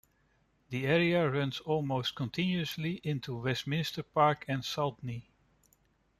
The area runs almost continuously into Westminster Park and Saltney.